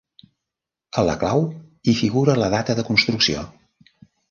A la clau hi figura la data de construcció.